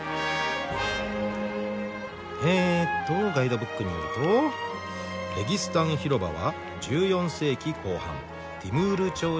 えっとガイドブックによるとレギスタン広場は１４世紀後半ティムール朝時代に造られた。